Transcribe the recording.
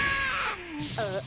あっ。